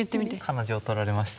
彼女を取られました。